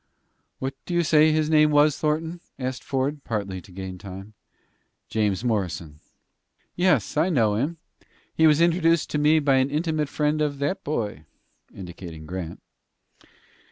"What do you say his name was, Thornton?" asked Ford, partly to gain time. "James Morrison." "Yes; I know him. He was introduced to me by an intimate friend of that boy," indicating Grant.